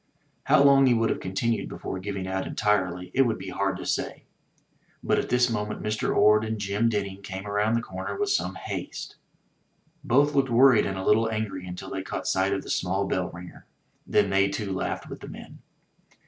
133 MY BOOK HOUSE How long he would have continued before giving out entirely it would be hard to say, but at this moment Mr. Orde and Jim Denning came around the comer with some haste. Both looked worried and a little angry until they caught sight of the small bell ringer. Then they too laughed with the men.